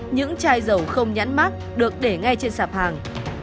những chai dầu không nhãn mát được để ngay trên sạp hàng